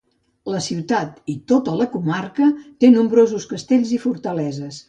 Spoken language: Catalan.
La ciutat i tota la comarca té nombrosos castells i fortaleses.